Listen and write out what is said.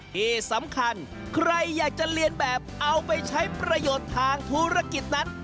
ที่สำคัญใครอยากจะเรียนแบบเอาไปใช้ประโยชน์ทางธุรกิจนั้น